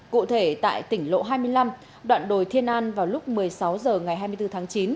cụ thể tại tỉnh lộ hai mươi năm đoạn đồi thiên an vào lúc một mươi sáu h ngày hai mươi bốn tháng chín